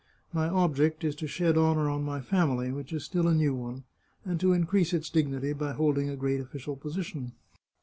My ob ject is to shed honour on my family, which is still a new one, and to increase its dignity by holding a great official position."